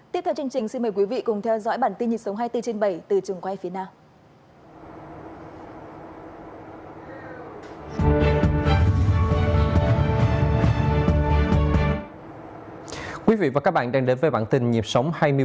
tiếp theo chương trình xin mời quý vị cùng theo dõi bản tin nhịp sơ